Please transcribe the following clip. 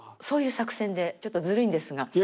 そういう作戦でちょっとずるいんですが。